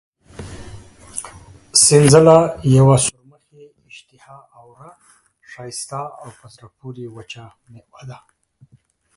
سنځله یوه سورمخې، اشتها اوره، ښایسته او په زړه پورې وچه مېوه ده.